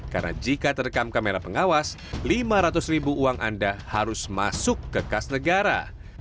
karena jika terekam kamera pengawas rp lima ratus anda harus masuk ke kas negara